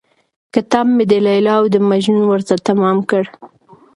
كتاب مې د ليلا او د مـجنون ورته تمام كړ.